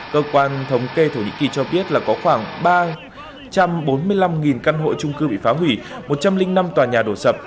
cơ quan thống kê thổ nhĩ kỳ cho biết là có khoảng ba trăm bốn mươi năm căn hộ trung cư bị phá hủy một trăm linh năm tòa nhà đổ sập